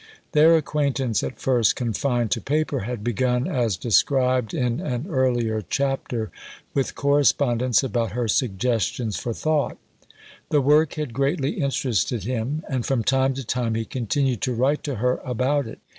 Their acquaintance, at first confined to paper, had begun, as described in an earlier chapter, with correspondence about her Suggestions for Thought. The work had greatly interested him, and from time to time he continued to write to her about it.